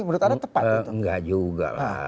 menurut anda tepat itu enggak juga lah